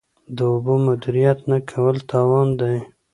د اوبو مدیریت نه کول تاوان دی.